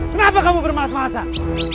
kenapa kamu bermalas malasan